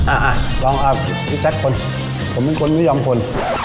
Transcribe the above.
อ่ะอ่ะลองอ่ะอีซักคนผมเป็นคนไม่ยอมฝน